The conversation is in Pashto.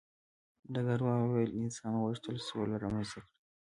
ډګروال وویل انسان غوښتل سوله رامنځته کړي